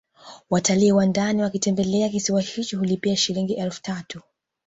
Watalii wa ndani wakitembelea kisiwa hicho hulipa Shilingi elfu tatu